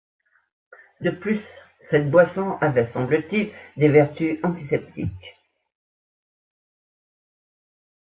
De plus, cette boisson avait semble-t-il des vertus antiseptiques.